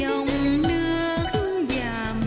ôi bác ngác